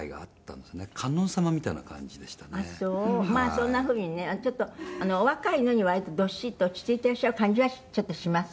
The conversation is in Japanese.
そんなふうにねお若いのに割とドシッと落ち着いていらっしゃる感じはちょっとします。